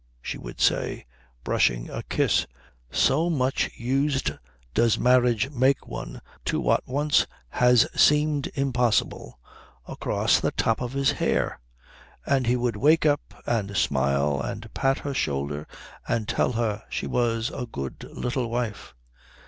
she would say, brushing a kiss, so much used does marriage make one to what once has seemed impossible, across the top of his hair; and he would wake up and smile and pat her shoulder and tell her she was a good little wife.